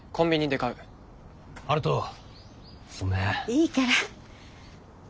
いいから。